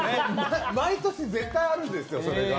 毎年絶対あるんですよ、それが。